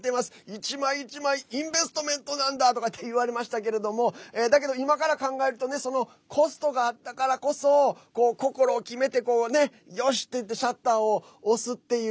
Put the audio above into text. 一枚一枚インベストメントなんだ！って言ってわれましたけどだけど今から考えるとそのコストがあったからこそ心を決めて、よし！って言ってシャッターを押すという。